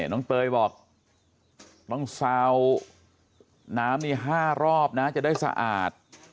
น้องทิเฝียบาทน้ำนี้๕รอบจะจะได้สะอาด